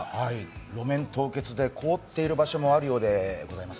路面凍結で凍っている場所もあるようでございます。